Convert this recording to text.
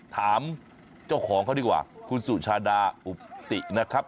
ถามเจ้าของเขาดีกว่าคุณสุชาดาอุปตินะครับ